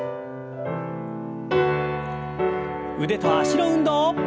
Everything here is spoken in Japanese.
腕と脚の運動。